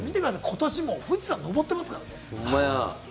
今年も富士山登ってますから。